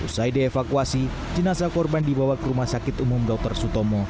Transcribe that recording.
usai dievakuasi jenazah korban dibawa ke rumah sakit umum dr sutomo